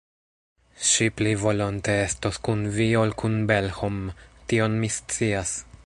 Ŝi pli volonte estos kun Vi ol kun Belhom, tion mi scias.